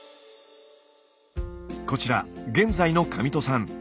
こちら現在の上戸さん。